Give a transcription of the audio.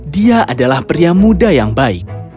dia adalah pria muda yang baik